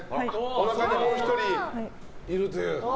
おなかに、もう１人いるという。